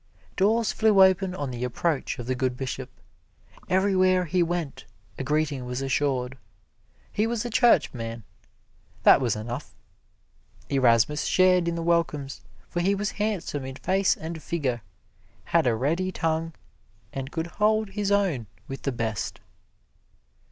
Doors flew open on the approach of the good Bishop. Everywhere he went a greeting was assured. He was a Churchman that was enough. Erasmus shared in the welcomes, for he was handsome in face and figure, had a ready tongue, and could hold his own with the best.